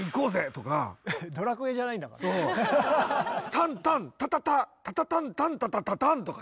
「タンタンタタタタタタンタンタタタターン」とか。